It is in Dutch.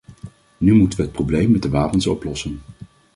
Nu moeten we het probleem met de wapens oplossen.